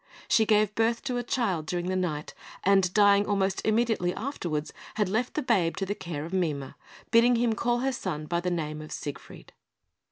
She gave birth to a child during the night, and dying almost immediately afterwards, had left the babe to the care of Mime, bidding him call her son by the name of Siegfried.